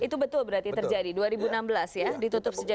itu betul berarti terjadi dua ribu enam belas ya ditutup sejak dua ribu enam belas